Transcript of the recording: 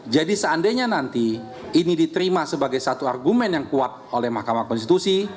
jadi seandainya nanti ini diterima sebagai satu argumen yang kuat oleh mahkamah konstitusi